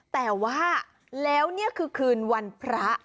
แต่ว่าแล้วนี่คือคืนวันพระ